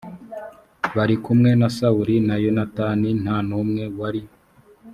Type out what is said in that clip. bari kumwe na sawuli na yonatani nta n umwe wari